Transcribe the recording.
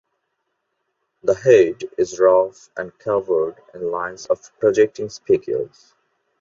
The head is rough and covered in lines of projecting spicules.